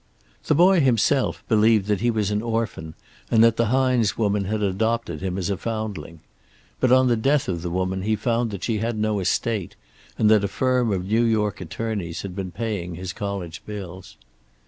"The boy himself believed that he was an orphan, and that the Hines woman had adopted him as a foundling. But on the death of the woman he found that she had no estate, and that a firm of New York attorneys had been paying his college bills.